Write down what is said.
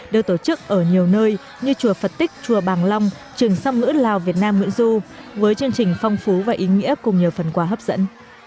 được tổ chức ở nhiều nơi như chùa phật tích chùa bàng long trường song ngữ lào việt nam nguyễn du với chương trình phong phú và ý nghĩa cùng nhiều phần quà hấp dẫn